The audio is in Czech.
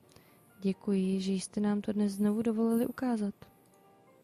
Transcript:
Děkuji, že jste nám to dnes znovu dovolili ukázat.